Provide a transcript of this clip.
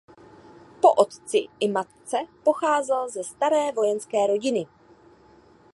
Po otci i matce pocházel ze staré vojenské rodiny.